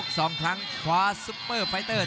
คมทุกลูกจริงครับและโคชศาสตร์ไม่กลัวครับ